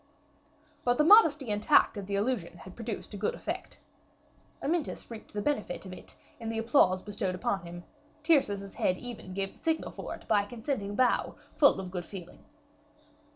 But the modesty and tact of the allusion had produced a good effect; Amyntas reaped the benefit of it in the applause bestowed upon him: Tyrcis's head even gave the signal for it by a consenting bow, full of good feeling.